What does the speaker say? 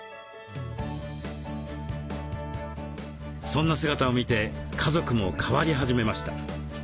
そんな姿を見て家族も変わり始めました。